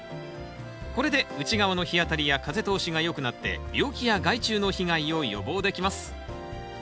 これで内側の日当たりや風通しがよくなって病気や害虫の被害を予防できます。